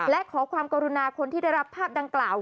และขอความกรุณาคนที่ได้รับภาพดังกล่าว